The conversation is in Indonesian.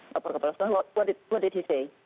lapor ke kepala sekolah what did he say